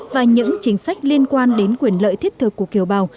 và những chính sách liên quan đến quyền lợi thiết thực của kiều bào